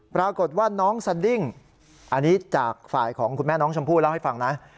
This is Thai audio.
ปรากฏว่าน้องสดิ้งอันนี้จากฝ่ายของคุณแม่น้องชมพู่เล่าให้ฟังนะ